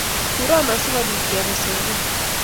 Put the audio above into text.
Kuron asikopit kepe soget